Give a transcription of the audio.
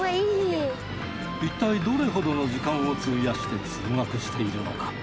いったいどれほどの時間を費やして通学しているのか？